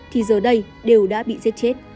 thì giờ đây đều đã bị giết chết